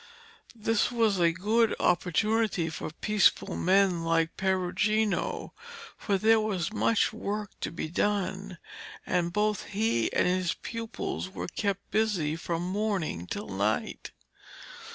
This was a good opportunity for peaceful men like Perugino, for there was much work to be done, and both he and his pupils were kept busy from morning till night.